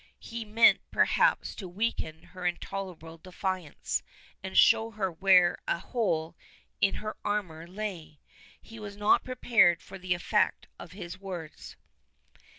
He meant perhaps to weaken her intolerable defiance, and show her where a hole in her armor lay. He was not prepared for the effect of his words.